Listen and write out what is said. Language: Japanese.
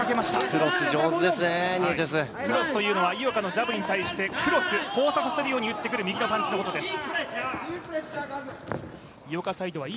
クロス上手ですね、ニエテスクロスというのは井岡のジャブに対してクロス、交差させるように打ってくる右のパンチのことです。